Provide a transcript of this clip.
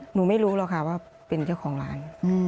หนูไม่รู้หรอกค่ะว่าเป็นเจ้าของร้าน